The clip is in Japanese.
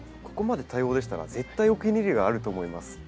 ここまで多様でしたら絶対お気に入りがあると思います。